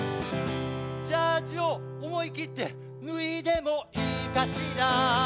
ジャージを思い切って脱いでもいいかしら？